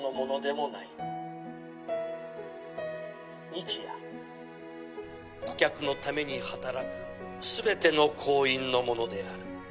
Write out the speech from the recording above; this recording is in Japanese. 「日夜顧客のために働く全ての行員のものである」